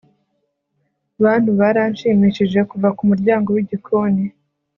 Bantu baranshimishije kuva kumuryango wigikoni